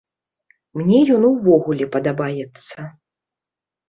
Мне ён увогуле падабаецца.